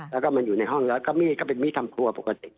แล้วก็อยู่ในห้องและก็เป็นวิธีทำทัวร์ปกติ